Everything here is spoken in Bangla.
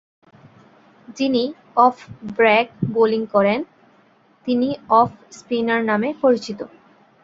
যিনি অফ ব্রেক বোলিং করেন, তিনি অফ স্পিনার নামে পরিচিত।